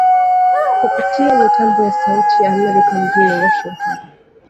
kupitia mitambo ya Sauti ya Amerika mjini Washington